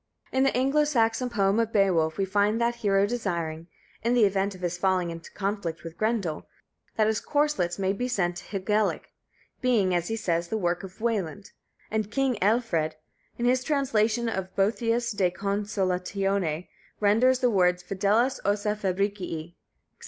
In the Anglo Saxon poem of Beowulf we find that hero desiring, in the event of his falling in conflict with Grendel, that his corslets may be sent to Hygelac, being, as he says, the work of Weland; and king Ælfred, in his translation of Boethius de Consolatione, renders the words fidelis ossa Fabricii, etc.